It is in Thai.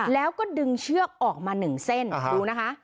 แล้วก็ดึงเชือกออกมาหนึ่งเส้นดูนะคะ